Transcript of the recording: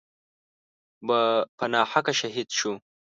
په ناحقه شهید شو.